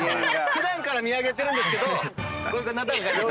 普段から見上げてるんですけどなだらかに。